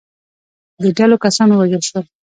د ډلو کسان ووژل شول.